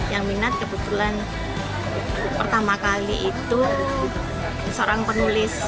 yang minat kebetulan pertama kali itu seorang penulis